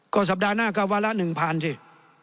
ก็สัปดาห์หน้าก็วัละหนึ่งผ่านเถอะ